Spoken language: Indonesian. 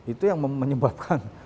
itu yang menyebabkan